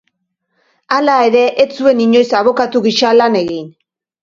Hala ere, ez zuen inoiz abokatu gisa lan egin.